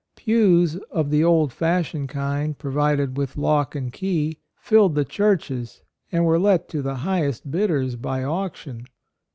Pews — of the old fashioned kind, provided with lock and key — filled the churches, and were let to the highest bidders by auction.